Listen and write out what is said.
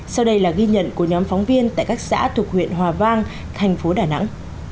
sau đây là ghi nhận của nhóm phóng viên tại các xã thuộc huyện hòa vang thành phố đà nẵng